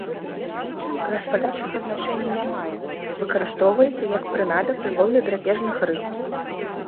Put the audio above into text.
Гаспадарчага значэння не мае, выкарыстоўваецца як прынада пры лоўлі драпежных рыб.